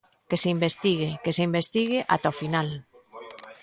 Que se investigue, que se investigue ata o final.